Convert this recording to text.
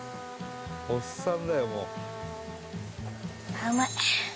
おっさんだよもう」